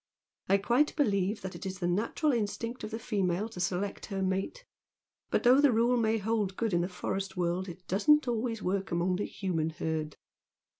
I quite believe that it is the natural instinct of the female to select her mate, but, though the rule may hold good in the forest world, it doesn't always work among the human herd.